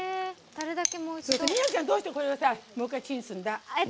美波ちゃん、どうしてこれをもう１回チンするんだ？